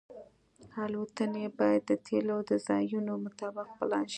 الوتنې باید د تیلو د ځایونو مطابق پلان شي